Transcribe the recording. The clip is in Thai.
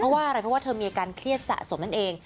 ว่าเธอมีการเครียดสะสมนั่นเอง